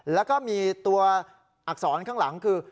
แล้วก็มีตัวอักษรข้างหลังคือ